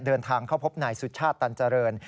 เดินทางเข้าพบนายสุชาติตันเจริญ